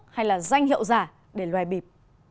hay là danh hiệu giả để loe bịp